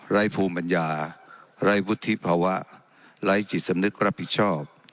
ภูมิปัญญาไร้วุฒิภาวะไร้จิตสำนึกรับผิดชอบ